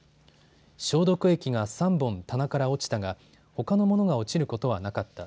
消毒液が３本棚から落ちたがほかのものが落ちることはなかった。